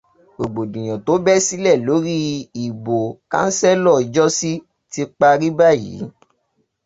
Rògbòdìyàn tó bẹ́ sílẹ̀ lórí ìbò kánsílọ̀ ijọ́sí ti parí báyìí